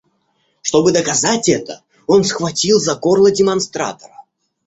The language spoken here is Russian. Чтобы доказать это, он схватил за горло демонстратора.